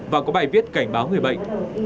và có bài viết cảnh báo người bệnh